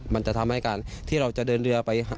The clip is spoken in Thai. มันจะทำให้การที่เราจะเดินเรือไป